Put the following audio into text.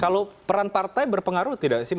kalau peran partai berpengaruh tidak sih